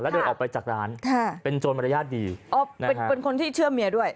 แล้วเดินออกไปจากร้านค่ะเป็นโจรมารยาทดีอ๋อเป็นคนที่เชื่อเมียด้วย